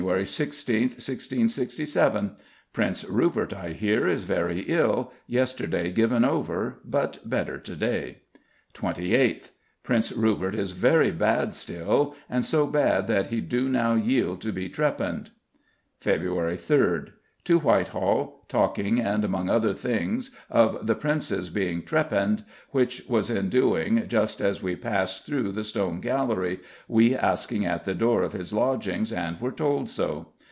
16th, 1667: Prince Rupert, I hear, is very ill; yesterday given over, but better to day. 28th: Prince Rupert is very bad still, and so bad that he do now yield to be trepanned. Feb. 3rd: To White Hall.... Talking, and among other things, of the Prince's being trepanned, which was in doing just as we passed through the Stone Gallery, we asking at the door of his lodgings, and were told so.